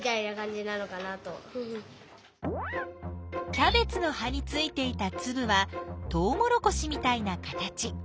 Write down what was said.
キャベツの葉についていたつぶはとうもろこしみたいな形。